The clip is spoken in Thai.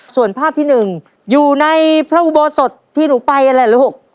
ส่วนภาพที่หนึ่งอยู่ในพระอุโบสถที่หนูไปนั่นแหละลูก